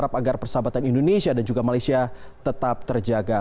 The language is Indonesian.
persahabatan indonesia dan juga malaysia tetap terjaga